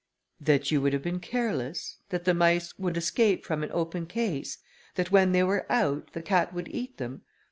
"That you would have been careless; that the mice would escape from an open case; that when they were out, the cat would eat them.